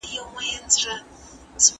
د قصاص حکم په قرآن کي راغلی دی.